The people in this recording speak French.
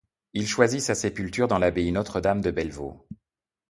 Il choisit sa sépulture dans l'Abbaye Notre-Dame de Bellevaux.